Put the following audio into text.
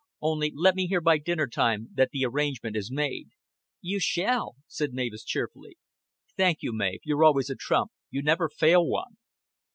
Only let me hear by dinner time that the arrangement is made." "You shall," said Mavis cheerfully. "Thank you, Mav. You're always a trump. You never fail one."